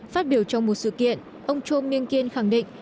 phát biểu trong một sự kiện ông cho myên kiên nói rằng